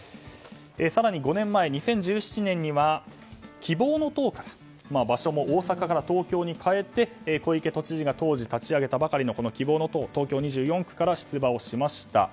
更に５年前、２０１７年には希望の党から場所も大阪から東京に変えて小池都知事が当時立ち上げたばかりの希望の党から東京２４区から出馬をしました。